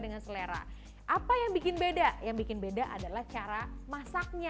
dengan selera apa yang bikin beda yang bikin beda adalah cara masaknya karena nanti setelah adonannya